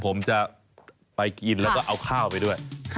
ผมจะไปกินแล้วก็เอาข้าวไปด้วย